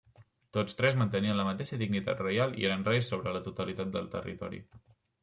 Tots tres mantenien la mateixa dignitat reial i eren reis sobre la totalitat del territori.